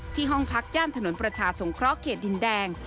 ห้องพักย่านถนนประชาสงเคราะห์เขตดินแดง